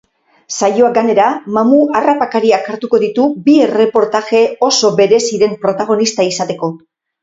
Saioak, gainera, mamu-harrapakariak hartuko ditu bi erreportaje oso bereziren protagonista izateko.